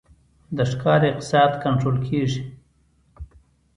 د ښکار اقتصاد کنټرول کیږي